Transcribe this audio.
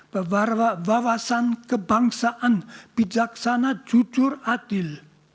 berbawasan kebangsaan bijaksana jujur adil